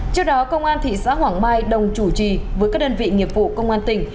trước đó công an tp hà nội đồng chủ trì với các đơn vị nghiệp vụ công an tỉnh